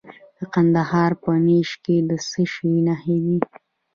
د کندهار په نیش کې د څه شي نښې دي؟